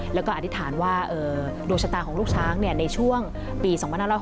แล้วก็อธิษฐานว่าดวงชะตาของลูกช้างในช่วงปี๒๕๖๒